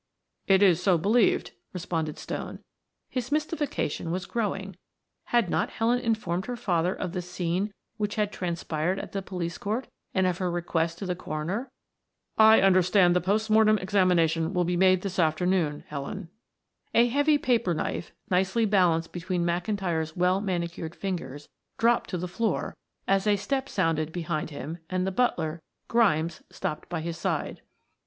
"It is so believed," responded Stone. His mystification was growing; had not Helen informed her father of the scene which had transpired at the police court, and of her request to the coroner? "I understand the post mortem examination will be made this afternoon, Helen." A heavy paper knife, nicely balanced between McIntyre's well manicured fingers, dropped to the floor as a step sounded behind him and the butler, Grimes, stopped by his side.